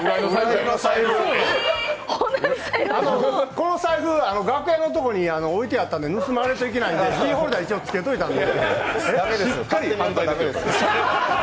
この財布、楽屋に置いてあったので盗まれるといけないんで、キーホルダー、一応つけといたんで。